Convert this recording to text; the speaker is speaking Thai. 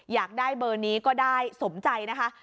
อยากได้เบอร์นี้ก็ได้สมใจนะคะ